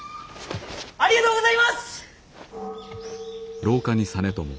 ありがとうございます！